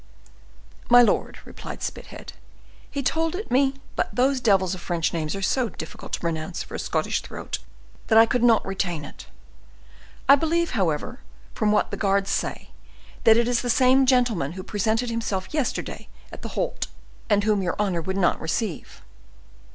"My lord," replied Spithead, "he told it me; but those devils of French names are so difficult to pronounce for a Scottish throat, that I could not retain it. I believe, however, from what the guards say, that it is the same gentleman who presented himself yesterday at the halt, and whom your honor would not receive."